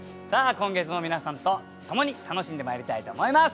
今月も皆さんと共に楽しんでまいりたいと思います。